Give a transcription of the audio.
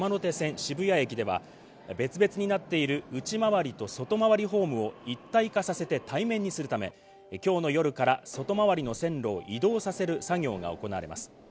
渋谷駅では、別々になっている内回りと外回りホームを一体化させて対面にするため、今日の夜から外回りの線路を移動させる作業が行われます。